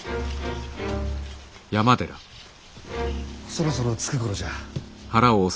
そろそろ着く頃じゃ。